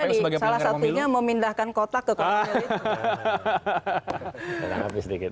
itu tadi salah satunya memindahkan kotak ke kpm itu